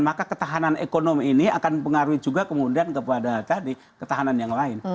maka ketahanan ekonomi ini akan mengaruhi juga kemudian kepada tadi ketahanan yang lain